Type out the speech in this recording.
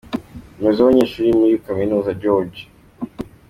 Umuyobozi w’abanyeshuri muri iyi kaminuza George